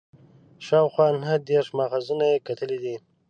شاوخوا نهه دېرش ماخذونه یې کتلي دي.